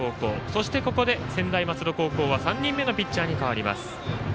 そして、専大松戸高校は３人目のピッチャーに代わります。